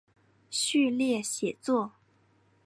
序列写作。